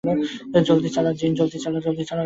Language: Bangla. জলদি চালাও, জিন!